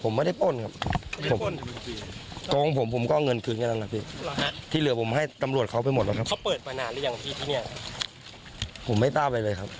ผมไม่ได้ทำเลยผมก็เงินคืนอำนาจที่เหลือผมให้ตำรวจเขาไปหมดครับ